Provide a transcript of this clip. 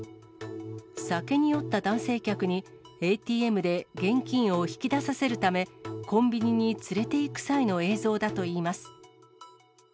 酒に酔った男性客に、ＡＴＭで現金を引き出させるため、コンビニに連れていく際の映像だといいます。